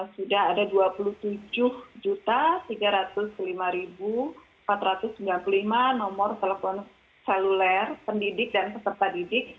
sudah ada dua puluh tujuh tiga ratus lima empat ratus sembilan puluh lima nomor telepon seluler pendidik dan peserta didik